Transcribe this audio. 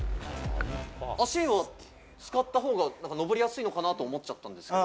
足を使ったほうが、なんか登りやすいのかなと思っちゃったんですけど。